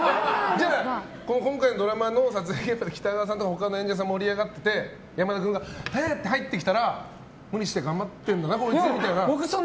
今回、ドラマの撮影とかで北川さんとか他の演者さん盛り上がってて山田君が入ってきたら無理して頑張ってるんだなみたいな。